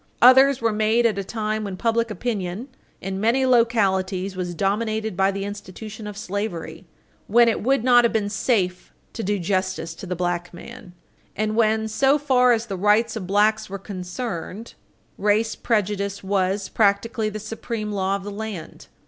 Others were made at a time when public opinion in many localities was dominated by the institution of slavery, when it would not have been safe to do justice to the black man, and when, so far as the rights of blacks were concerned, race prejudice was, practically, the supreme law of the land.